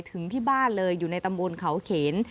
ถึงที่บ้านเลยอยู่ในตำบลเขาเขน